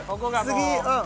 次うん。